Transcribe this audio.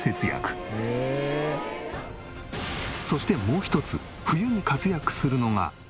そしてもう一つ冬に活躍するのが。